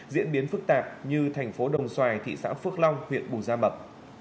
diễn biến phức tạp như thành phố đồng xoài thị xã phước long huyện bù gia mập